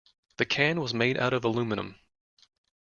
The can was made out of aluminium.